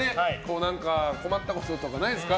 何か困ったこととかないですか？